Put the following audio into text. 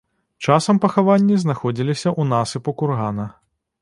Часам пахаванні знаходзіліся ў насыпу кургана.